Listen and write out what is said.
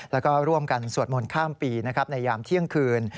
แล้วก็ร่วมกันสวดมนต์ข้ามปีในยามเที่ยงคืน